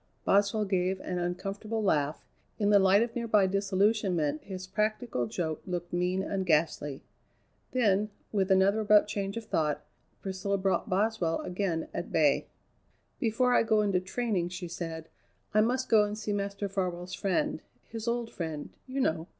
Boswell gave an uncomfortable laugh. In the light of nearby disillusionment his practical joke looked mean and ghastly. Then, with another abrupt change of thought, Priscilla brought Boswell again at bay. "Before I go into training," she said, "I must go and see Master Farwell's friend his old friend, you know.